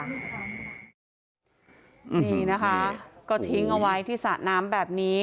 นี่นะคะก็ทิ้งเอาไว้ที่สระน้ำแบบนี้